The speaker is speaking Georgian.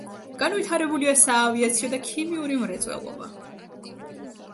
განვითარებულია საავიაციო და ქიმიური მრეწველობა.